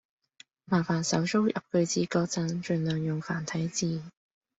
麻煩手足入句子嗰陣，盡量用繁體字